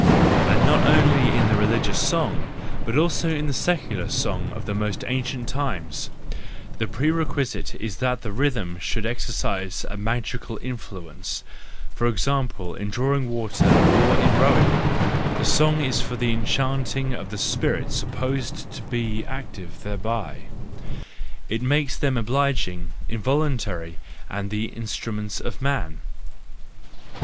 —And not only in the religious song, but also in the secular song of the most ancient times the prerequisite is that the rhythm should exercise a magical influence ; for example, in drawing water, or in rowing: the song is for the enchanting of the spirits supposed to be active thereby ; it makes them obliging, involun¬ tary, and the instruments of man.